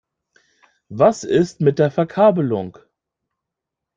Was ist mit der Verkabelung?